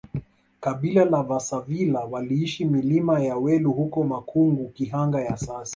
kabila la vasavila waliishi milima ya welu huko Makungu Kihanga ya sasa